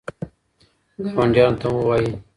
ګاونډیانو ته هم ووایئ.